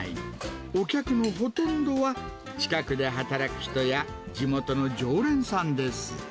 お客のほとんどは近くで働く人や、地元の常連さんです。